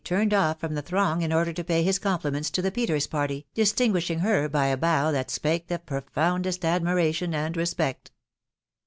turned off from the Ihrong in order 'to pay 'his ipliments to the Peters* party, distingukhrng hereby a bow it spake the profoundest admiration and respect.